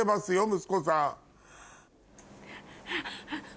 息子さん。